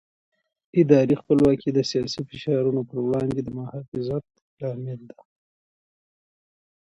اداري خپلواکي د سیاسي فشارونو پر وړاندې د محافظت لامل ده